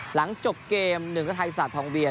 หลังจบเกม๑๓สระทองเวียน